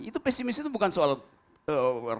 itu pesimis itu bukan soal